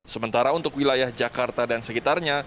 sementara untuk wilayah jakarta dan sekitarnya